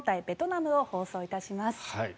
ベトナムを放送します。